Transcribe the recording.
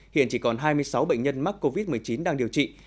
hiện chỉ còn hai mươi sáu bệnh nhân mắc covid một mươi chín đang điều trị